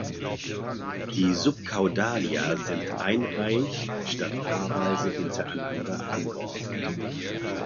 Die Subcaudalia sind einreihig statt paarweise hintereinander angeordnet.